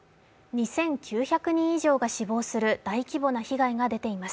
２９００人以上が死亡する大規模な被害が出ています。